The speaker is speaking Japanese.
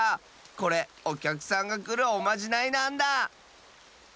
これおきゃくさんがくるおまじないなんだ！